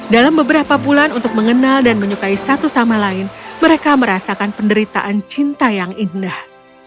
dalam beberapa bulan untuk mengenal dan menyukai satu sama lain mereka merasakan penderitaan cinta yang indah